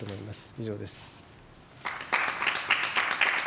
以上です。